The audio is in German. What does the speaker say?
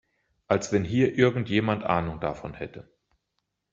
Als wenn hier irgendjemand Ahnung davon hätte!